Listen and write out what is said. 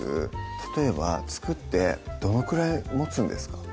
例えば作ってどのくらいもつんですか？